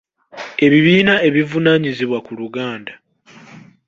Ebibiina ebivunaanyizibwa ku Luganda: